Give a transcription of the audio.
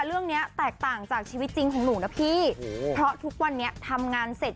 เรื่องเนี้ยแตกต่างจากชีวิตจริงของหนูนะพี่เพราะทุกวันนี้ทำงานเสร็จ